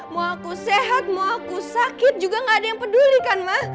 mau aku sehat mau aku sakit juga gak ada yang pedulikan ma